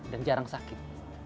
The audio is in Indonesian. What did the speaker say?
dan jarang sakit